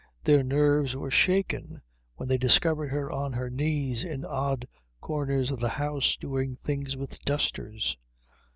Their nerves were shaken when they discovered her on her knees in odd corners of the house doing things with dusters.